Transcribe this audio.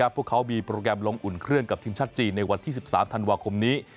พวกเขามีโปรแกรมลงอุ่นเครื่องกับทีมชาติจีนในวันที่๑๓ธันวาคมนี้